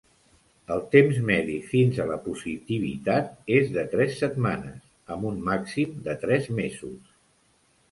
El temps medi fins a la positivitat és de tres setmanes, amb un màxim de tres mesos.